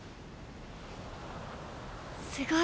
すごいな。